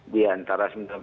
di antara sembilan belas